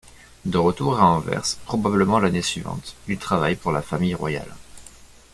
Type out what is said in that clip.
De retour à Anvers, probablement l'année suivante, il travaille pour la famille royale.